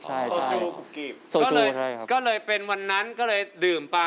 ใช่ก็เลยเป็นวันนั้นก็เลยดื่มไป